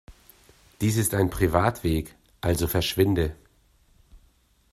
Dies ist ein Privatweg, also verschwinde!